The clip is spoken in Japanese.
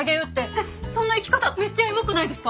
えっそんな生き方めっちゃエモくないですか？